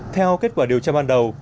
theo kết quả điều tra ban đầu